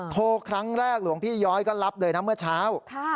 โทรครั้งแรกหลวงพี่ย้อยก็รับเลยนะเมื่อเช้า